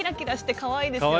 かわいいですよね。